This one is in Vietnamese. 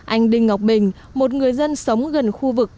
anh đinh ngọc bình một người dân sống gần khu vực